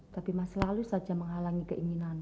tapi masih lalu saja menghalangi keinginanku